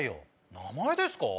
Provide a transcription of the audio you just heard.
名前ですか？